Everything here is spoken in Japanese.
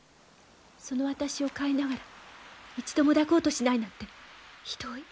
その私を買いながら一度も抱こうとしないなんてひどい。